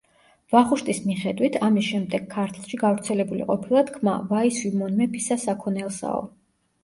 ვახუშტის მიხედვით, ამის შემდეგ ქართლში გავრცელებული ყოფილა თქმა: „ვაი სვიმონ მეფისა საქონელსაო“.